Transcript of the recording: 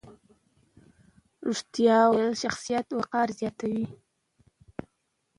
رښتیا ویل د شخصیت وقار زیاتوي.